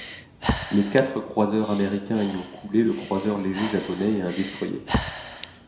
Les quatre croiseurs américains y ont coulé le croiseur léger japonais et un destroyer.